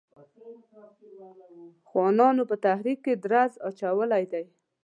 خانانو په تحریک کې درز اچولی دی.